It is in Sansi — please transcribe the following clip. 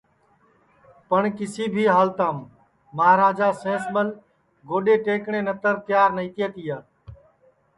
پٹؔ کیسی بھی ہالتام مہاراجا سینس مل گوڈؔے ٹئکٹؔے نتر تیار نائی تیا تیا